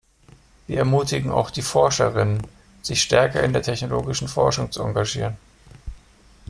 Wir ermutigen auch die Forscherinnen, sich stärker in der technologischen Forschung zu engagieren.